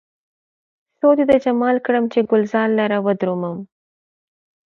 سود يې د جمال کړم، چې ګلزار لره ودرومم